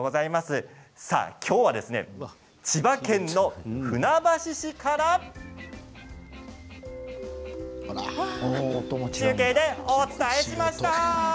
今日は千葉県の船橋市から音さの音中継でお伝えしました。